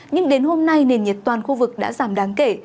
nhưng đến hôm nay nền nhiệt toàn khu vực đã giảm đáng kể